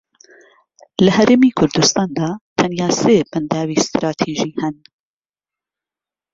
لە هەرێمی کوردستاندا تەنیا سێ بەنداوی ستراتیژی هەن